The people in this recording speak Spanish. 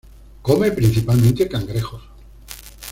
Come principalmente cangrejos.